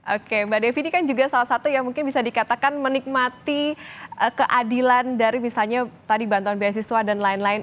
oke mbak devi ini kan juga salah satu yang mungkin bisa dikatakan menikmati keadilan dari misalnya tadi bantuan beasiswa dan lain lain